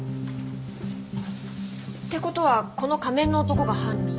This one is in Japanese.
って事はこの仮面の男が犯人？